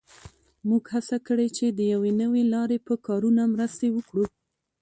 موږ هڅه کړې چې د یوې نوې لارې په کارونه مرسته وکړو